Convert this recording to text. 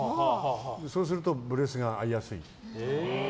そうすると、ブレスが合いやすい。